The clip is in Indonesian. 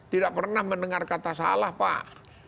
tidak pernah mendengar kata salah pak